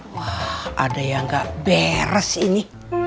wah ada yang gak beres ini